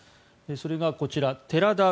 それがこちら寺田稔